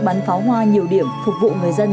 bắn pháo hoa nhiều điểm phục vụ người dân